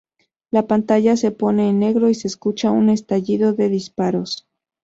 La pantalla se pone en negro y se escucha un estallido de disparos.